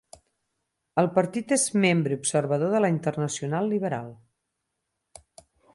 El partit és membre observador de la Internacional Liberal.